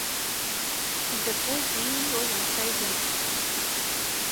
Изакәыз ииҩуаз анцәа идырп.